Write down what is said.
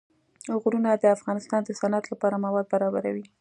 غرونه د افغانستان د صنعت لپاره مواد برابروي.